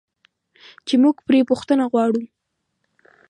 چې موږ پرې بخښنه غواړو.